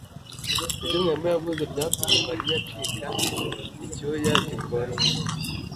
Ibyo mwarimu yavuze byatumye Mariya acika icyuya gikonje